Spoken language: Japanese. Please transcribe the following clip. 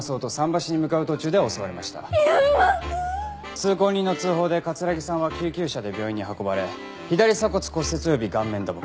通行人の通報で城さんは救急車で病院に運ばれ左鎖骨骨折及び顔面打撲。